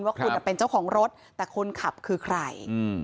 ว่าคุณเป็นเจ้าของรถแต่คนขับคือใคร